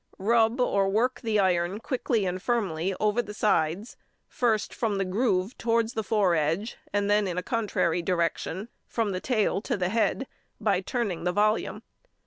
Rub or work the iron quickly and firmly over the sides, first from the groove towards the foredge, and then in a contrary direction, from the tail to the head, by turning the volume.